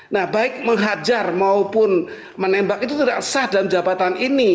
nah baik menghajar maupun menembak itu tidak sah dalam jabatan ini